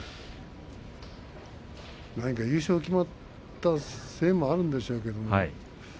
なんか優勝が決まったせいもあるんでしょうけれどね